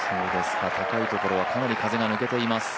高いところはかなり風が抜けています。